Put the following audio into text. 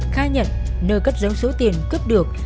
khai nhận nơi cất dấu số tiền cướp được